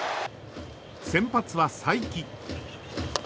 先発は才木。